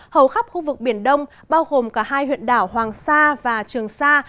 hầu khắp khu vực biển đông bao gồm cả hai huyện đảo hoàng sa và trường sa